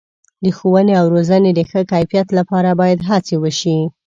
د ښوونې او روزنې د ښه کیفیت لپاره باید هڅې وشي.